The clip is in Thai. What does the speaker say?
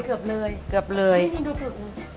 นี่มีดูคือบนึง